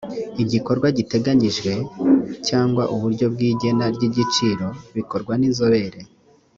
igikorwa giteganyijwe cyangwa uburyo bw’ igena ry’ igiciro bikorwa n’inzobere